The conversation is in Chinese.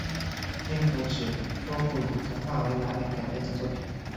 另可指多部以童话为蓝本改编的作品